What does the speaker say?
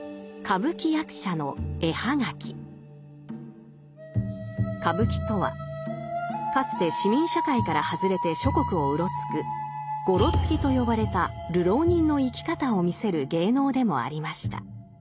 歌舞伎とはかつて市民社会から外れて諸国をうろつく「ごろつき」と呼ばれた流浪人の生き方を見せる芸能でもありました。